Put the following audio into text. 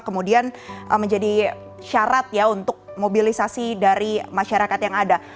kemudian menjadi syarat ya untuk mobilisasi dari masyarakat yang ada